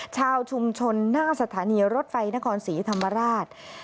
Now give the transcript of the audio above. ชาวชุมชนหน้าสถานีรถไฟนครศรีธรรมราช